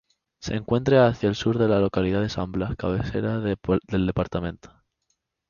Se encuentra hacia el sur de la localidad de San Blas, cabecera del departamento.